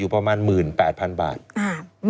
คุณนิวจดไว้หมื่นบาทต่อเดือนมีค่าเสี่ยงให้ด้วย